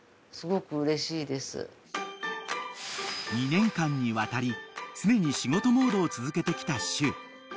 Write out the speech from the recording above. ［２年間にわたり常に仕事モードを続けてきたしゅう］